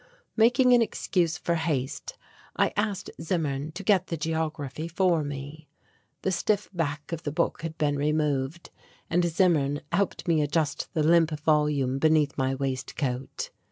Making an excuse for haste, I asked Zimmern to get the geography for me. The stiff back of the book had been removed, and Zimmern helped me adjust the limp volume beneath my waistcoat.